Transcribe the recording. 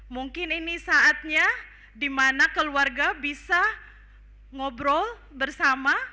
mungkin ini saatnya di mana keluarga bisa ngobrol bersama